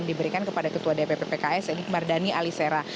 dan diberikan kepada ketua dpp pks enik mardani alisera